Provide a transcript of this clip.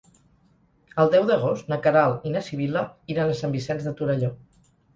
El deu d'agost na Queralt i na Sibil·la iran a Sant Vicenç de Torelló.